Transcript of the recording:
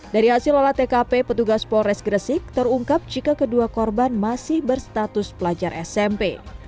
dari hasil olah tkp petugas polres gresik terungkap jika kedua korban masih berstatus pelajar smp